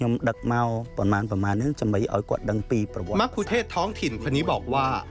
มคุเทศท้องถิ่นคนนี้บอกว่า